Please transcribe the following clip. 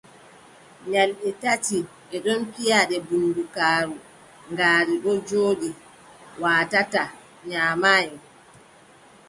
Nyalɗe tati ɓe ɗon piya ɗe bundugaaru ngaari ɗon jooɗi, waatataa, nyaamay.